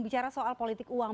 bicara soal politik uang